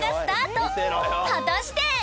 ［果たして！？］